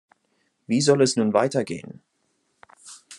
Wie soll es nun weitergehen?